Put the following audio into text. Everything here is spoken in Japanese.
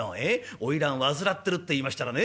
花魁患ってるって言いましたらね